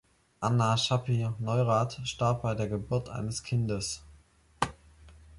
Anna Schapire-Neurath starb bei der Geburt eines Kindes.